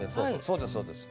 そうですそうです。